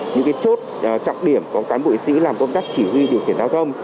những chốt trọng điểm của cán bộ sĩ làm công tác chỉ huy điều kiện đoàn thông